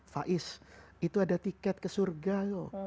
faiz itu ada tiket ke surga loh